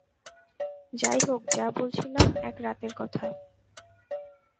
যাই হোক, যা বলছিলাম-এক রাতের কথা।